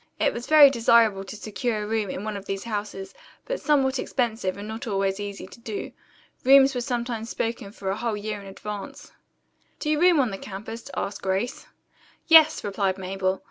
It was very desirable to secure a room in one of these houses, but somewhat expensive and not always easy to do. Rooms were sometimes spoken for a whole year in advance. "Do you room on the campus?" asked Grace. "Yes," replied Mabel.